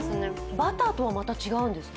バターとは、また違うんですか？